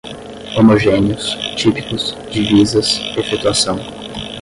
homogêneos, típicos, divisas, efetuação